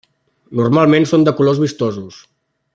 Normalment són de colors vistosos.